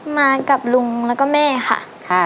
มากับลุงแล้วก็แม่ค่ะ